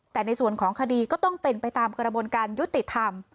แต่ในส่วนของคดีก็ต้องเป็นไปตามกระบวนการยุติธรรม